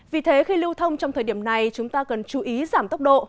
vì thế khi lưu thông trong thời điểm này chúng ta cần chú ý giảm tốc độ